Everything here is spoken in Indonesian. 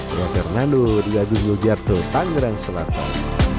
bro fernando di gagung lugarto tangerang selatan